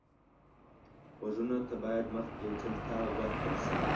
خوړو ته باید مخکې یو ځل تاو ورکړل شي.